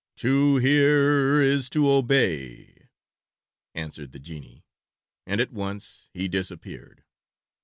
"To hear is to obey," answered the genie; and at once he disappeared.